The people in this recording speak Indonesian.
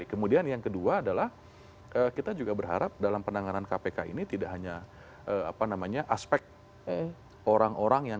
kemudian yang kedua adalah kita juga berharap dalam penanganan kpk ini tidak hanya aspek orang orang yang